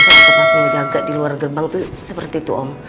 saya masih pas ngejaga di luar gerbang tuh seperti itu om